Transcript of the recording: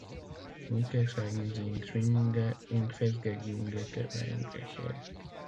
Zu unterscheiden sind schwimmende und fest gegründete Wellenbrecher.